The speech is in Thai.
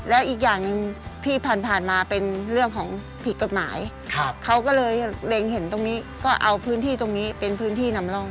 แล้วอีกอย่างหนึ่งที่ผ่านมาเป็นเรื่องของผิดกฎหมายเขาก็เลยเล็งเห็นตรงนี้ก็เอาพื้นที่ตรงนี้เป็นพื้นที่นำร่อง